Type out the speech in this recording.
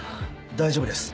大丈夫です。